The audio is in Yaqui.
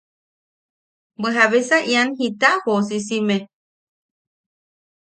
–¿Bwe jabesa ian jita joosisimne?